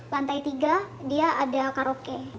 lantai tiga dia ada karaoke